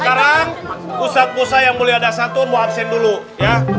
sekarang ustadz ustadz yang mulia dasar tuh mau absen dulu ya